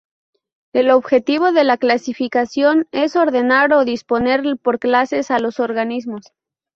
El objetivo de la clasificación es ordenar o disponer por clases a los organismos.